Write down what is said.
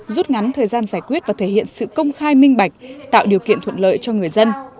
rút ngắn thời gian giải quyết và thể hiện sự công khai minh bạch tạo điều kiện thuận lợi cho người dân